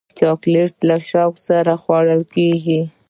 چاکلېټ له شوق سره خوړل کېږي.